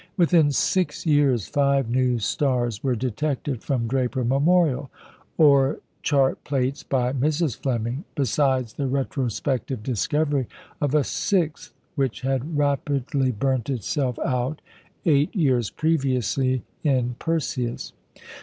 Within six years five new stars were detected from Draper Memorial, or chart plates by Mrs Fleming, besides the retrospective discovery of a sixth which had rapidly burnt itself out, eight years previously, in Perseus.